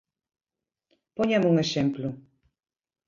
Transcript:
Póñame un exemplo.